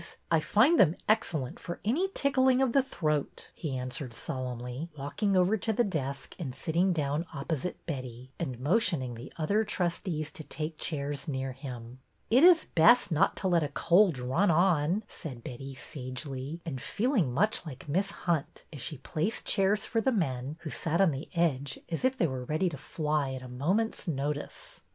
I find them excellent for any tickling of the throat," he answered solemnly, walking over to the desk and sitting down op posite Betty, and motioning the other trustees to take chairs near him. '' It is best not to let a cold run on," said Betty, sagely, and feeling much like Miss Hunt as she placed chairs for the men, who sat on the edge as if they were ready to fly at a moment's notice.